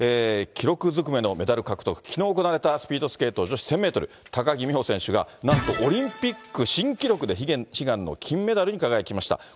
記録ずくめのメダル獲得、きのう行われたスピードスケート女子１０００メートル、高木美帆選手が、なんとオリンピック新記録で悲願の金メダルに輝きました。